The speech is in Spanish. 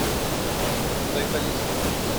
Estoy feliz.